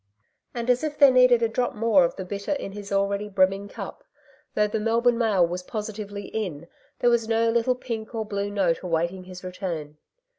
And, as if there needed a drop more of the bitter in his already brimming cup, though the Melbourne mail was positively in, there was no little pink or blue note awaiting his return.